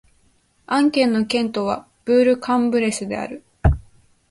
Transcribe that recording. アン県の県都はブール＝カン＝ブレスである